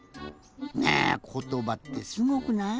ねえことばってすごくない？